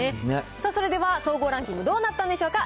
さあ、それでは総合ランキングどうなったんでしょうか。